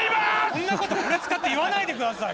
そんなことこれ使って言わないでください